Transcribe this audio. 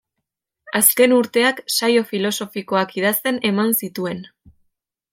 Azken urteak saio filosofikoak idazten eman zituen.